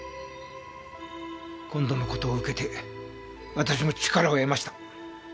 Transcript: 今度の事を受けて私も力を得ました。